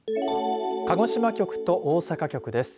鹿児島局と大阪局です。